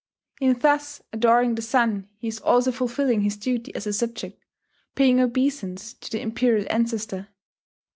In thus adoring the sun he is also fulfilling his duty as a subject, paying obeisance to the Imperial Ancestor